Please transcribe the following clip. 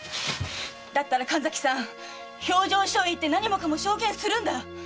だったら神崎さん評定所へ行って何もかも証言するんだ！